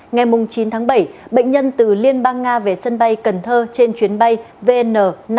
ngày chín tháng bảy bệnh nhân từ liên bang nga về sân bay cần thơ trên chuyến bay vn năm nghìn sáu mươi hai